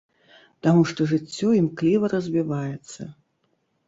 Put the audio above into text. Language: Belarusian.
Таму што жыццё імкліва развіваецца.